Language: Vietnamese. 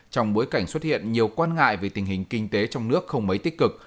trong bối cảnh xuất hiện nhiều quan ngại về tình hình kinh tế trong nước không mấy tích cực